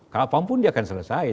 kalau apapun dia akan selesai